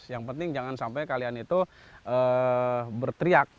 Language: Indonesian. yang penting jangan sampai kalian itu berteriak